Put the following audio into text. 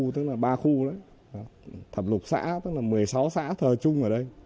tức là ba khu đấy thẩm lục xã tức là một mươi sáu xã thờ chung ở đây